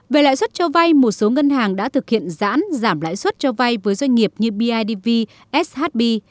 về lãi suất cho vay một số ngân hàng đã thực hiện giãn giảm lãi suất cho vay với doanh nghiệp như bidv shb